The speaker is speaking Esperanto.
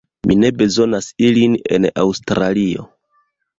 Mi ne bezonas ilin en Aŭstralio